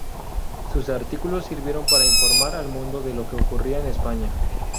Sus artículos sirvieron para informar al mundo de lo que ocurría en España.